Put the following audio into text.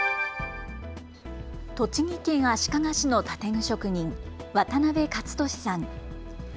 栃木県足利市の建具職人、渡辺勝寿さん。